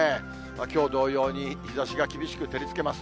きょう同様に日ざしが厳しく照りつけます。